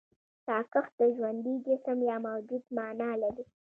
ساکښ د ژوندي جسم يا موجود مانا لري.